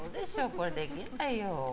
これできないよ。